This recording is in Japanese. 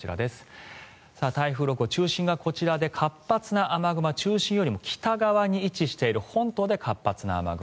台風６号、中心がこちらで活発な雨雲は北側に位置している本島で活発な雨雲。